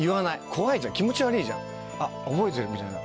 怖いじゃん気持ち悪いじゃん「あっ覚えてる」みたいな。